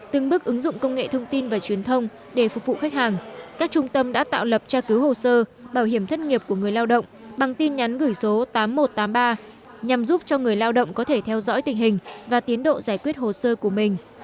từng bước ứng dụng công nghệ thông tin và truyền thông để phục vụ khách hàng các trung tâm đã tạo lập tra cứu hồ sơ bảo hiểm thất nghiệp của người lao động bằng tin nhắn gửi số tám nghìn một trăm tám mươi ba nhằm giúp cho người lao động có thể theo dõi tình hình và tiến độ giải quyết hồ sơ của mình